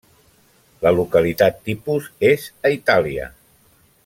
La localitat tipus és a Itàlia.